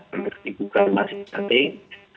tapi bukan masih setting